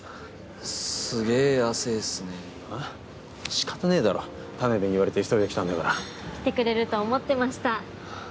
仕方ねえだろ田辺に言われて急いで来たんだから。来てくれると思ってました。